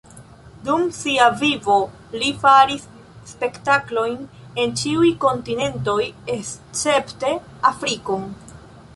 Dum sia vivo li faris spektaklojn en ĉiuj kontinentoj escepte Afrikon.